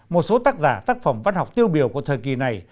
một số tác giả tác phẩm văn học tiêu biểu của thời kỳ này